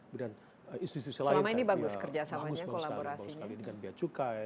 selama ini bagus kerjasamanya kolaborasinya